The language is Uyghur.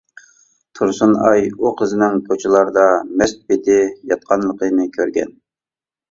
تۇرسۇنئاي ئۇ قىزنىڭ كوچىلاردا مەست پېتى ياتقانلىقىنى كۆرگەن.